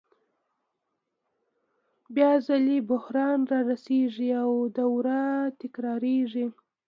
بیا ځلي بحران رارسېږي او دوره تکرارېږي